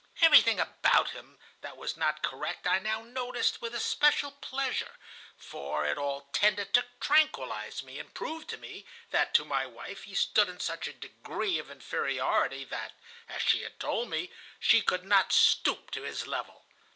Everything about him that was not correct I now noticed with especial pleasure, for it all tended to tranquillize me, and prove to me that to my wife he stood in such a degree of inferiority that, as she had told me, she could not stoop to his level.